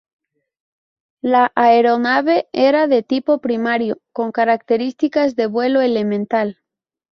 La aeronave era de tipo primario, con características de vuelo elemental.